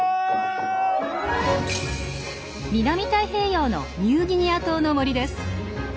南太平洋のニューギニア島の森です。